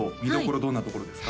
どんなところですか？